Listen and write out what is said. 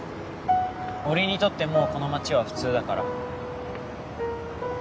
俺にとってもうこの街は普通だから。